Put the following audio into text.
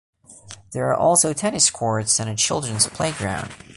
There are also tennis courts and a children's playground.